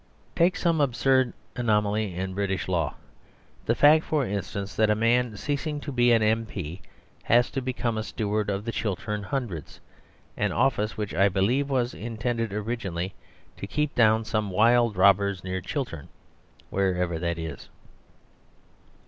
Take some absurd anomaly in the British law the fact, for instance, that a man ceasing to be an M. P. has to become Steward of the Chiltern Hundreds, an office which I believe was intended originally to keep down some wild robbers near Chiltern, wherever that is.